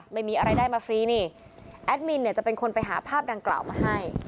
ไม่มีอะไรได้มาฟรีนี่แอดมินเนี่ยจะเป็นคนไปหาภาพดังกล่าวมาให้